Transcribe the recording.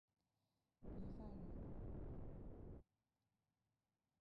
郦范人。